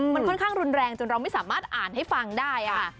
มันค่อนข้างรุนแรงจนเราไม่สามารถอ่านให้ฟังได้ค่ะ